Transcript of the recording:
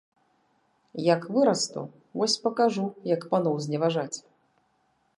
Як вырасту, вось пакажу, як паноў зневажаць!